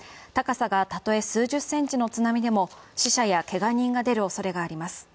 高さがたとえ数十センチの津波でも死者やけが人が出る恐れがあります。